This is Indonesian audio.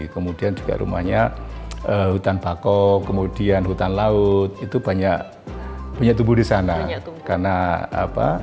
kemudian juga rumahnya hutan bakau kemudian hutan laut itu banyak tumbuh di sana karena apa